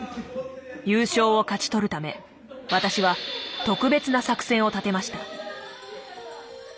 優勝を勝ち取るため私は特別な作戦を立てました。